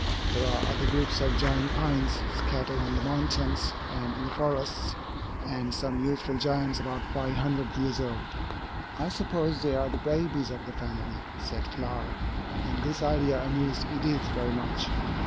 There are other groups of giant pines scattered on the mountains and in the forests, and some youthful giants about five hundred years old." "I suppose they are the babies of the family," said Clara; and this idea amused Edith very much.